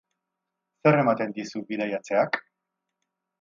Zer ematen dizu bidaiatzeak?